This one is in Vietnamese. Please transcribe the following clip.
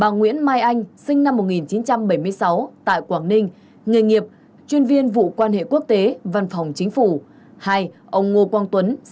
nhập cảnh bộ công an